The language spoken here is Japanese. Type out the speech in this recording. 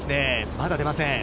まだ出ません。